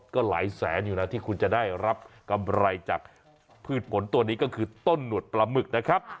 ก็หลายแสนอยู่นะที่คุณจะได้รับกำไรจากพืชผลตัวนี้ก็คือต้นหนวดปลาหมึกนะครับ